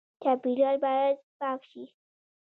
چاپیریال باید پاک شي